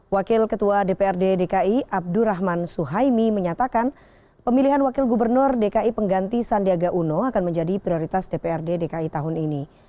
wakil ketua dprd dki abdurrahman suhaimi menyatakan pemilihan wakil gubernur dki pengganti sandiaga uno akan menjadi prioritas dprd dki tahun ini